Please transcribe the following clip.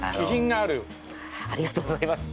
ありがとうございます。